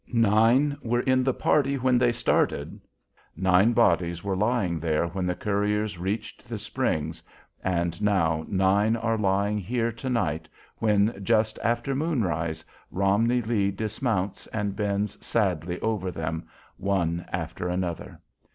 Nine were in the party when they started. Nine bodies were lying there when the couriers reached the Springs, and now nine are lying here to night when, just after moonrise, Romney Lee dismounts and bends sadly over them, one after another.